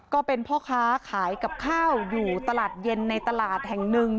ก็เป็นพ่อค้าขายกับข้าวอยู่ตลาดเย็นในตลาดแห่งหนึ่ง